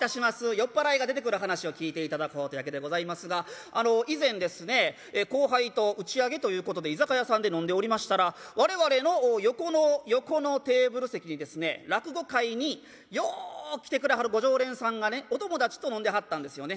酔っ払いが出てくる噺を聴いていただこうというわけでございますがあの以前ですね後輩と打ち上げということで居酒屋さんで飲んでおりましたら我々の横の横のテーブル席にですね落語会によう来てくれはるご常連さんがねお友達と飲んではったんですよね。